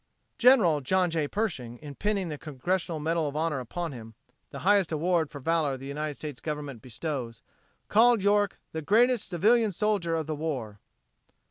General John J. Pershing in pinning the Congressional Medal of Honor upon him the highest award for valor the United States Government bestows called York the greatest civilian soldier of the war.